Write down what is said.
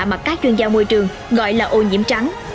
mà các chuyên gia môi trường gọi là ô nhiễm trắng